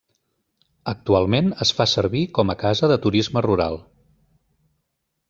Actualment es fa servir com a casa de turisme rural.